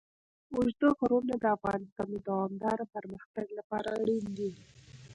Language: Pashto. اوږده غرونه د افغانستان د دوامداره پرمختګ لپاره اړین دي.